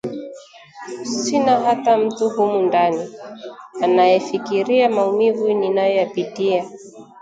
sina hata mtu humu ndani anayefikiria maumivu ninayoyapitia